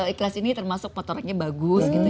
ikhlas ini termasuk motoriknya bagus gitu